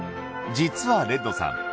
実はレッドさん